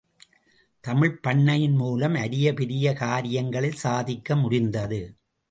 தமிழ்ப்பண்ணையின் மூலம் அரிய பெரிய காரியங்களைச் சாதிக்க முடிந்தது.